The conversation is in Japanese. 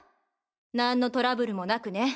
何のトラブルもなくね。